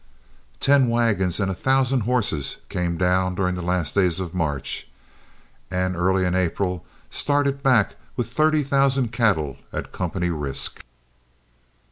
Ten wagons and a thousand horses came down during the last days of March, and early in April started back with thirty thousand cattle at company risk.